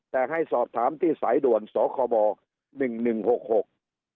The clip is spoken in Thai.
แต่ให้สอบถามที่สายด่วนสคบหนึ่งหนึ่งหกหก